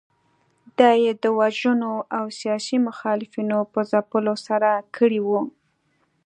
دا یې د وژنو او سیاسي مخالفینو په ځپلو سره کړې وه.